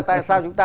tại sao chúng ta